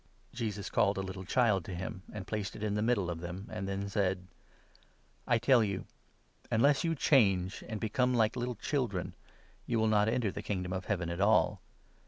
Jesus called a little child to him, and placed it in the middle of 2 them, and then said : 3 "I tell you, unless you change and become like little children, you will not enter the Kingdom of Heaven at all.